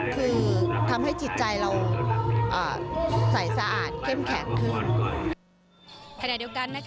คือทำให้จิตใจเราใส่สะอาดเข้มแข็งขึ้น